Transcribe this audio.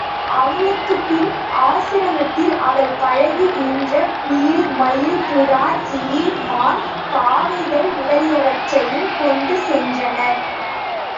அவளுக்குப்பின் ஆசிரமத்தில் அவள் பழகிப் பயின்ற குயில், மயில், புறா, கிளி, மான், பாவைகள் முதலியவற்றையும் கொண்டு சென்றனர்.